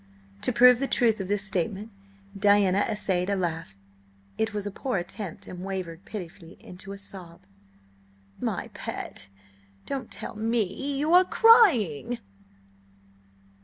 To prove the truth of this statement, Diana essayed a laugh. It was a poor attempt, and wavered pitifully into a sob. "My pet, don't tell me! You are crying!"